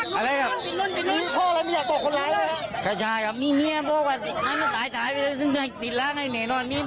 เพราะว่าเด็กเก่๑๓ปี